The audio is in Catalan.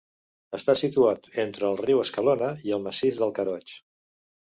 Està situat entre el riu Escalona i el Massís del Caroig.